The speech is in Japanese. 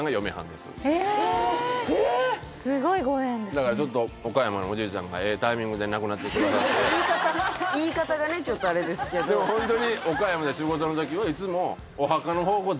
だからちょっと岡山のおじいちゃんがええタイミングで亡くなってくださって言い方がねちょっとあれですけどでもホントに岡山で仕事の時はいつもお墓の方向